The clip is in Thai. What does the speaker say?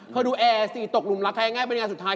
เขาดูตกลุ่มลักษณ์ไปงามสุดท้าย